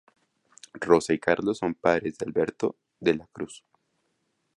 Rosa y Carlos son padres de Alberto de la Cruz.